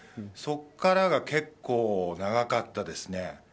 そこからが結構長かったですね。